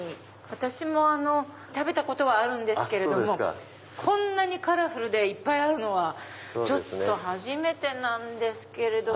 私も食べたことはあるんですけどもこんなにカラフルでいっぱいあるのは初めてなんですけれども。